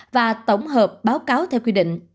và tổng hợp báo cáo theo quy định